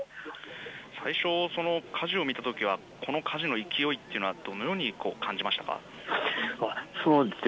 最初火事を見たときはこの火事の勢いというのはどのように感じましたか。